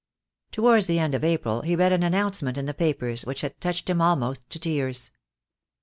Towards the end of April he read an announcement in the papers which had touched him almost to tears.